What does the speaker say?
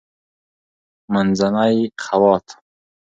-منځنی خوات: